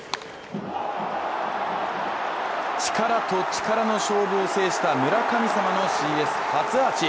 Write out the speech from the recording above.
力と力の勝負を制した村神様のＣＳ初アーチ！